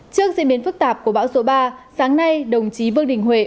trước diễn biến phức tạp của bão số ba sáng nay đồng chí vương đình huệ